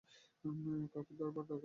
কাউকে দরকার হবে না।